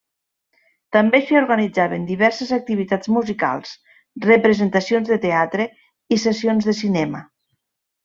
També s'hi organitzaven diverses activitats musicals, representacions de teatre i sessions de cinema.